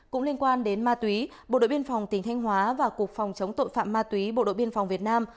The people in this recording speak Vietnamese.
cũng liên quan đến ma túy bộ đội biên phòng tỉnh thanh hóa và cục phòng chống tội phạm ma túy bộ đội biên phòng việt nam